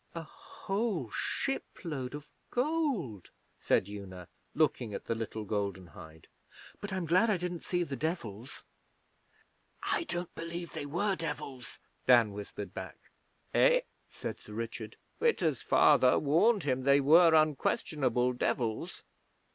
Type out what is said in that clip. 'A whole shipload of gold!' said Una, looking at the little Golden Hind. 'But I'm glad I didn't see the Devils.' 'I don't believe they were Devils,'Dan whispered back. 'Eh?' said Sir Richard. 'Witta's father warned him they were unquestionable Devils.